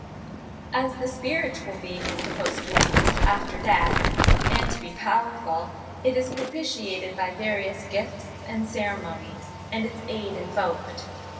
As the spiritual being is supposed to exist after death and to be powerful, it is propitiated by various gifts and ceremonies, and its aid invoked.